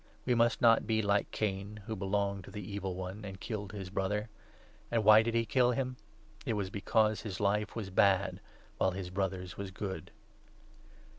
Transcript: We must not be like Cain, who belonged to the Evil One and killed his brother. And why did he kill him ? It was because his life was bad while his brother's was good.